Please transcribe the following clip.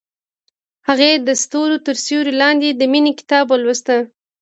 هغې د ستوري تر سیوري لاندې د مینې کتاب ولوست.